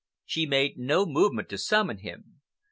She made no movement to summon him.